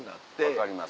分かります。